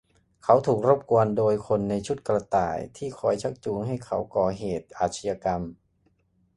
เขาถูกรบกวนโดยคนในชุดกระต่ายที่คอยชักจูงให้เขาก่อเหตุอาชญากรรม